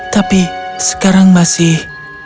tapi sekarang masih